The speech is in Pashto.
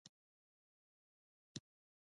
تیږه یې په کې پیدا کړه.